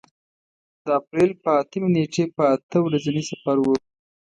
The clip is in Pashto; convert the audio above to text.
د اپرېل په اتمې نېټې په اته ورځني سفر و.